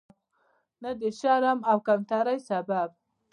نه د شرم او کمترۍ سبب.